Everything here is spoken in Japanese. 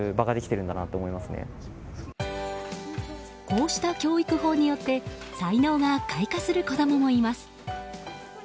こうした教育法によって才能が開花する子供もいます。